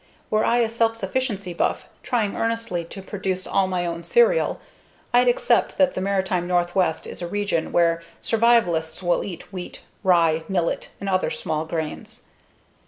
Were I a self sufficiency buff trying earnestly to produce all my own cereal, I'd accept that the maritime Northwest is a region where survivalists will eat wheat, rye, millet, and other small grains.